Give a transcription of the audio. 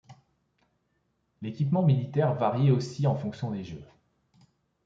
L'équipement militaire variait aussi en fonction des jeux.